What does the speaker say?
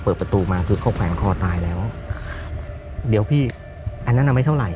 เปิดประตูมาคือเขาแขวนคอตายแล้วเดี๋ยวพี่อันนั้นอ่ะไม่เท่าไห